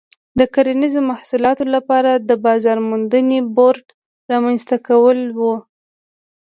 د کرنیزو محصولاتو لپاره د بازار موندنې بورډ رامنځته کول و.